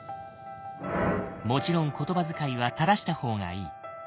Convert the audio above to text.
もちろん言葉遣いは正した方がいい。